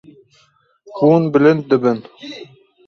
Hûn bilind dibin.